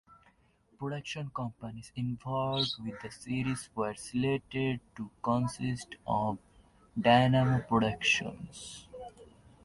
Production companies involved with the series were slated to consist of Dynamo Producciones.